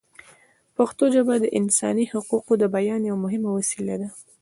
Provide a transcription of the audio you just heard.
پښتو ژبه د انساني حقونو د بیان یوه مهمه وسیله ده.